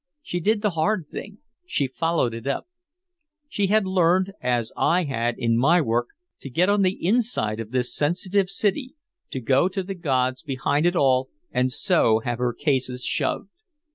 She did the hard thing, she followed it up. She had learned, as I had in my work, to "get on the inside" of this secretive city, to go to the gods behind it all and so have her cases shoved.